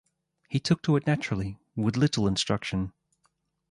He took to it naturally, with little instruction.